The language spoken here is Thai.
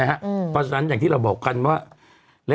เพราะฉะนั้นอย่างที่เราบอกกันว่า